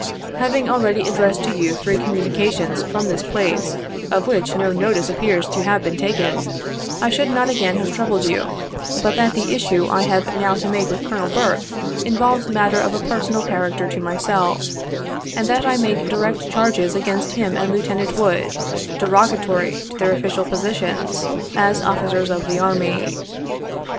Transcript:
Having already addressed to you three communications, from this place, of which no notice appears to have been taken, I should not again have troubled you, but that the issue I have now to make with Colonel Burke, involves mat ters of a personal character to myself, and that I make direct charges against him and Lieutenant Wood, derogatory to their official positions, as officers of the army.